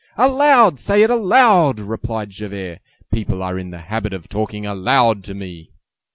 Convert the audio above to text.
"Aloud! Say it aloud!" replied Javert; "people are in the habit of talking aloud to me."